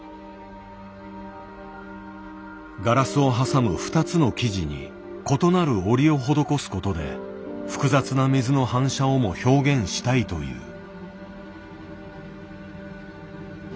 ガラスを挟む２つの生地に異なる織りを施すことで複雑な水の反射をも表現したいという。